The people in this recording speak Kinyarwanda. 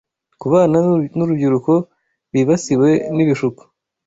ku bana n’urubyiruko bibasiwe n’ibishuko,